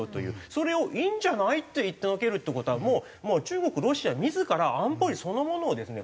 それをいいんじゃない？って言ってのけるって事はもう中国ロシア自ら安保理そのものをですね